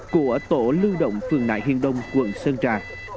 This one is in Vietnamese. của tổ lưu động phường nại hiên đông quận sơn trà